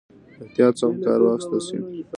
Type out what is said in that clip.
احتیاط څخه کار واخیستل شي.